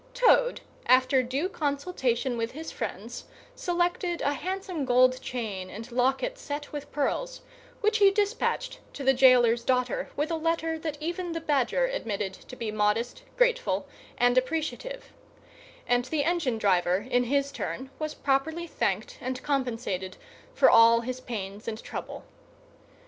Toad, after due consultation with his friends, selected a handsome gold chain and locket set with pearls, which he dispatched to the gaoler's daughter with a letter that even the Badger admitted to be modest, grateful, and appreciative; and the engine driver, in his turn, was properly thanked and compensated for all his pains and trouble.